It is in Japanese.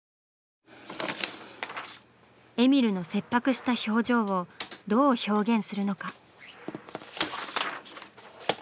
「えみるの切迫した表情」をどう表現するのか？